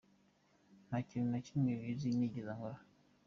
Nta kintu na kimwe kibi nigeze nkora.